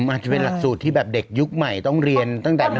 อาจจะเป็นหลักสูตรที่แบบเด็กยุคใหม่ต้องเรียนตั้งแต่